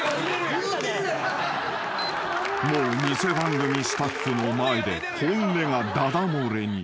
［もう偽番組スタッフの前で本音がだだ漏れに］